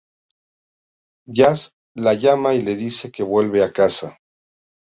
Jas la llama y le dice que vuelva a casa.